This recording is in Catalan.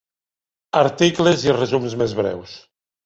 Articles i resums més breus.